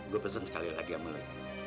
gue pesen sekalian tadi sama lo